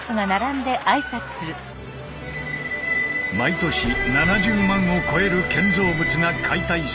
毎年７０万を超える建造物が解体されている